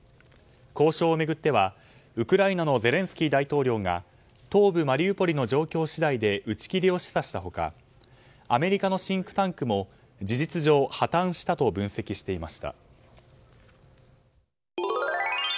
交渉を巡っては、ウクライナのゼレンスキー大統領が東部マリウポリの状況次第で打ち切りを示唆した他アメリカのシンクタンクも事実上破綻したと分析していました。